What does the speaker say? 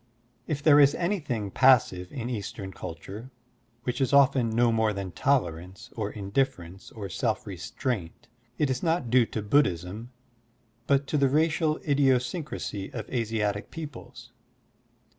If there is anything passive in Eastern culture, which is often no more than tolerance or indif ference or self restraint, it is not due to Buddhism but to the racial idiosyncrasy of Asiatic peoples.